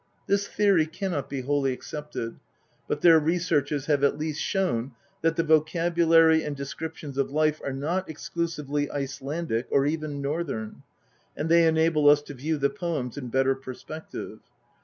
This theory cannot be wholly accepted, but their researches have at least shown that the vocabulary and descriptions of life are not exclusively Icelandic or even Northern, and they enable us to view the poems in better perspective.